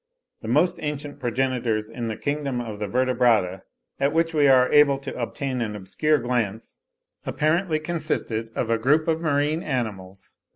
The most ancient progenitors in the kingdom of the Vertebrata, at which we are able to obtain an obscure glance, apparently consisted of a group of marine animals (32.